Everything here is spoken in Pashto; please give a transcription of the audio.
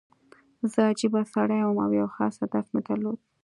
زه عجیبه سړی وم او یو خاص هدف مې نه درلود